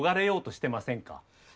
してません。